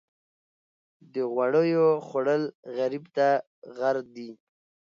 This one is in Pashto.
د غوړیو خوړل غریب ته غر دي.